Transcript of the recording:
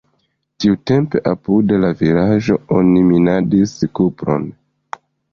Tiutempe apud la vilaĝo oni minadis kupron.